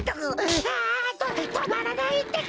あとまらないってか！